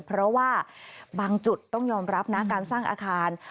เพราะว่าบางจุดต้องยอมรับนะการสร้างอาคาร